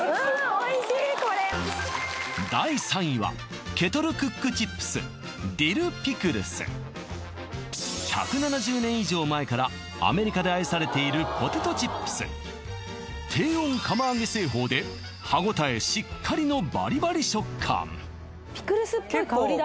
おいしいこれ第３位はケトルクックチップスディルピクルス１７０年以上前からアメリカで愛されているポテトチップス低温釜揚げ製法で歯ごたえしっかりのバリバリ食感ピクルスっぽい香りだ